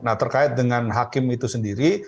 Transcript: nah terkait dengan hakim itu sendiri